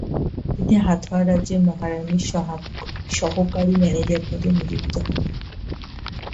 তিনি হাথওয়া রাজের মহারাণীর সহকারী ম্যানেজার পদে নিযুক্ত হন।